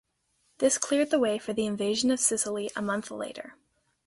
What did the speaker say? This cleared the way for the invasion of Sicily a month later.